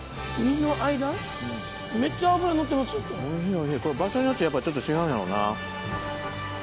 おいしいこれ場所によってちょっと違うんやろうな。